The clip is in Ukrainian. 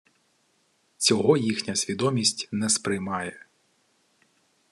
Цього їхня свідомість не сприймає